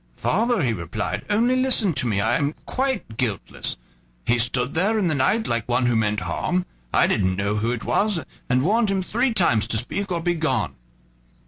"Father," he replied, "only listen to me; I am quite guiltless. He stood there in the night, like one who meant harm. I didn't know who it was, and warned him three times to speak or begone."